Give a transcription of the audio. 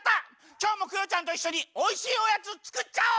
きょうもクヨちゃんといっしょにおいしいおやつつくっちゃおう！